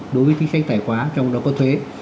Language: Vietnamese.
đối với chính sách tài khoá trong đó có thuế